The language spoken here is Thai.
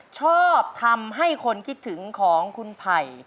ชอบทำให้คนคิดถึงของคุณไผ่